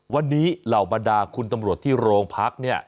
วันนี้เรามาด่าคุณตำรวจที่โรงพักษณ์เนี่ย